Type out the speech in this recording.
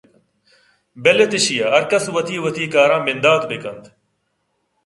بل اِت ایشیءَ ہرکس وتی وتی کاراں بندات بہ کنت